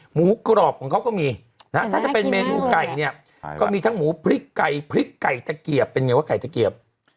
หมูกรอบของเขาก็มีถ้าจะเป็นเมนูไก่เนี่ยก็มีทั้งหมูผลิกไก่หรือไอก็ผลิกไก่ตะเกียบ